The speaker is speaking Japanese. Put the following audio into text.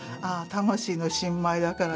魂の新米だからね。